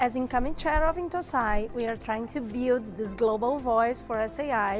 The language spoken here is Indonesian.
dan sebagai pemerintah yang datang ke sai kita mencoba membangun suara global untuk sai